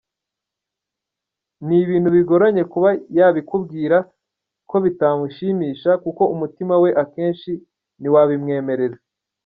Ni ibintu bigoranye kuba yabikubwira ko bitamushimisha kuko umutima we akenshi ntiwabimwemerera.